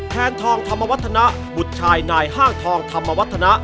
แนนทองธรรมวัฒนะบุตรชายนายห้างทองธรรมวัฒนะ